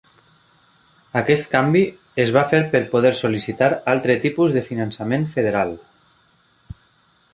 Aquest canvi es va fer por poder sol·licitar altre tipus de finançament federal.